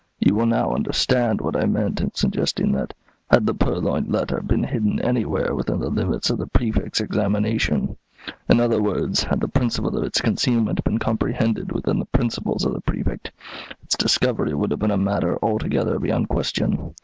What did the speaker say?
You will now understand what I meant in suggesting that, had the purloined letter been hidden anywhere within the limits of the Prefect's examination, in other words, had the principle of its concealment been comprehended within the principles of the Prefect, its discovery would have been a matter altogether beyond question.